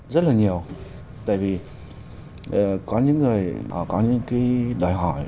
rất là nhiều tại vì có những người họ có những cái đòi hỏi